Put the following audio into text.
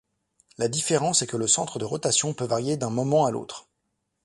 La différence est que le centre de rotation peut varier d'un moment à l'autre.